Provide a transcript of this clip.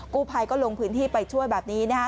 กู้ภัยก็ลงพื้นที่ไปช่วยแบบนี้นะฮะ